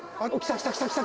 来た来た来た。